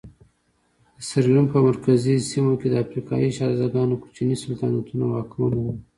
د سیریلیون په مرکزي سیمو کې د افریقایي شهزادګانو کوچني سلطنتونه واکمن وو.